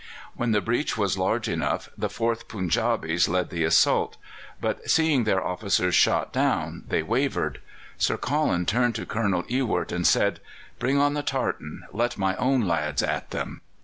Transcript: When the breach was large enough the 4th Punjabis led the assault, but seeing their officers shot down, they wavered. Sir Colin turned to Colonel Ewart and said: "Bring on the tartan. Let my own lads at them."